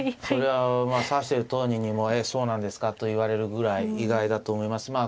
それはまあ指してる当人にもえっそうなんですかと言われるぐらい意外だと思います。